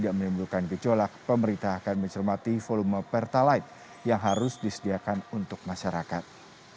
jika terlalu menurunkan gejolak pemerintah akan mencermati volume pertalite yang harus disediakan untuk masyarakat